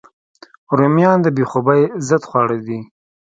رومیان د بې خوبۍ ضد خواړه دي